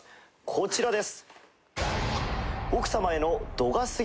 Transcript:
こちらです。